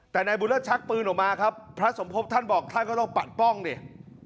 แต่นายบุญเลิศชักปืนออกมาครับพระสมภพท่านบอกท่านก็ต้องปัดป้องนี่